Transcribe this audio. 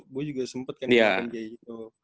bo juga sempet kan ngeliat ig itu